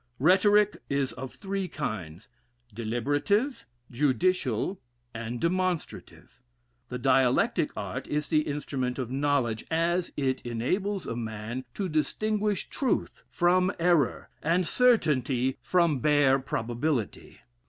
Rhetoric is of three kinds, deliberative, judicial, and demonstrative. The dialectic art is the instrument of knowledge, as it enables a man to distinguish truth from error, and certainty from bare probability.